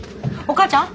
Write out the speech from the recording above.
お母ちゃん？